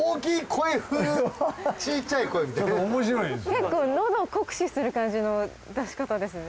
結構喉を酷使する感じの出し方ですね。